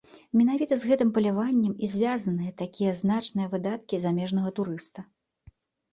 Менавіта з гэтым паляваннем і звязаныя такія значныя выдаткі замежнага турыста.